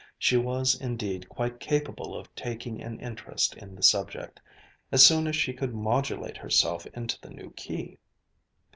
She was indeed quite capable of taking an interest in the subject, as soon as she could modulate herself into the new key.